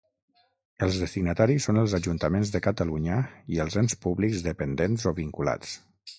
Els destinataris són els ajuntaments de Catalunya i els ens públics dependents o vinculats.